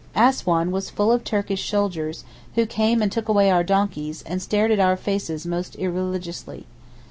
Assouan was full of Turkish soldiers, who came and took away our donkeys, and stared at our faces most irreligiously.